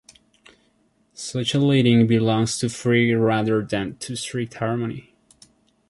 Such a leading belongs to free rather than to strict harmony.